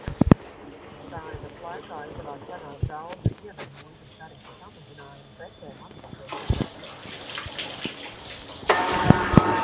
Saeimas laikā izdevās panākt daudzu ievedmuitas tarifu samazinājumu precēm atbilstoši Pasaules tirdzniecības organizācijas līgumam.